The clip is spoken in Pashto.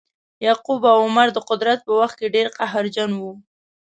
یعقوب او عمرو د قدرت په وخت کې ډیر قهرجن وه.